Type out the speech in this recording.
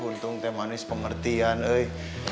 untung temanis pengertian eh